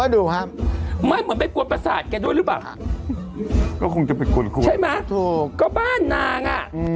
ดูครับไม่ควรประสาทจะดูหรือบ้าง